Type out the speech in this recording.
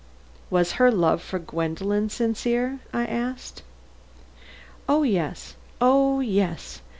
"Was her love for Gwendolen sincere?" I asked. "Oh, yes; oh, yes.